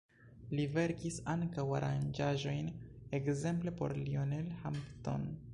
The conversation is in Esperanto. Li verkis ankaŭ aranĝaĵojn ekzemple por Lionel Hampton.